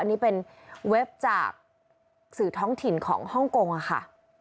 อันนี้เป็นเว็บจากสื่อท้องถิ่นของฮ่องกงค่ะ